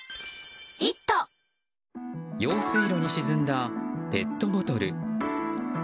用水路に沈んだペットボトル。